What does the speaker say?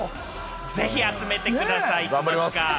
ぜひ集めてください、いつか。